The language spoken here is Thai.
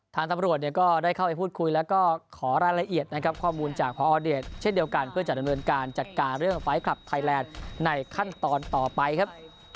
ทางตำรวจเนี่ยก็ได้เข้าไปพูดคุยแล้วก็ขอรายละเอียดนะครับข้อมูลจากพอเดชเช่นเดียวกันเพื่อจะดำเนินการจัดการเรื่องไฟล์คลับไทยแลนด์ในขั้นตอนต่อไปครับ